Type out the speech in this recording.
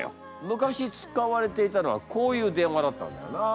昔使われていたのはこういう電話だったんだよな。